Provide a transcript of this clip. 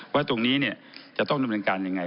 ว่าตรงนี้จะต้องดำเนินการยังไง